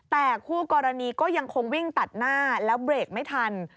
แต่คู่กรณีก็ยังคงวิ่งตัดหน้าแล้วเบรกไม่ทัน